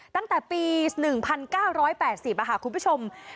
ตั้งแต่ปี๑๙๘๐ค่ะคุณผู้ชม